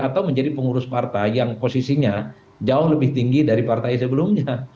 atau menjadi pengurus partai yang posisinya jauh lebih tinggi dari partai sebelumnya